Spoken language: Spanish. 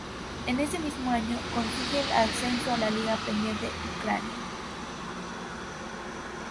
Ese mismo año consigue el ascenso a la Liga Premier de Ucrania.